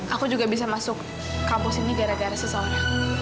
aku juga bisa masuk kampus ini gara gara seseorang